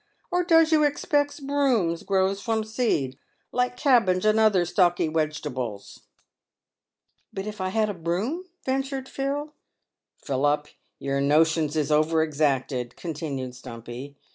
or does you expex brooms grows from seed, like cabbage and other stalky wegetables ?"" But if I had a broom ?" ventured Phil. " Philup, your notions is over exacted !" continued Stumpy.